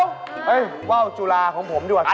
เฮ่ยว่าวจุลาของผมดูดิวะ